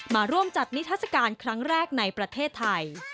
มาร่วมจัดนิทัศกาลครั้งแรกในประเทศไทย